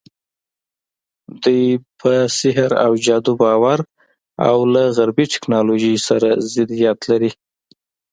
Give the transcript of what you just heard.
دوی پر سحر او جادو باور او له غربي ټکنالوژۍ سره ضدیت لري.